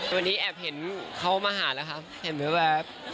วันนี้แอบเห็นเขามาหาแล้วครับเห็นเหมือนแบบ